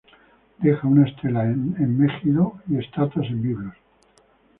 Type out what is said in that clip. Deja una estela en Megido y estatuas en Biblos.